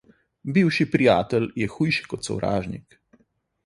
Bivši prijatelj je hujši kot sovražnik.